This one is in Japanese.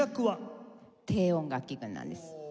低音楽器群なんです。